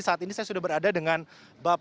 saya sudah berada dengan bapak ibu